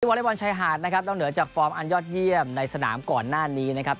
วอเล็กบอลชายหาดนะครับนอกเหนือจากฟอร์มอันยอดเยี่ยมในสนามก่อนหน้านี้นะครับ